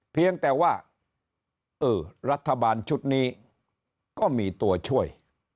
เพียงแต่ว่าเออรัฐบาลชุดนี้ก็มีตัวช่วย